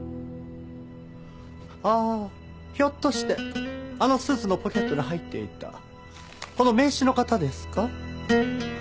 ああひょっとしてあのスーツのポケットに入っていたこの名刺の方ですか？